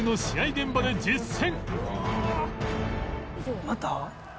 現場で実践！